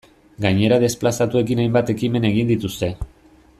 Gainera desplazatuekin hainbat ekimen egin dituzte.